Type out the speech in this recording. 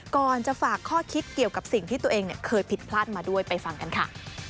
ก่อนจะฝากข้อคิดเกี่ยวกับสิ่งที่ตัวเองเคยผิดพลาดมาด้วยไปฟังกันค่ะ